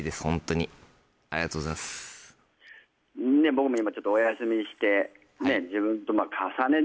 僕も今ちょっとお休みしてねえ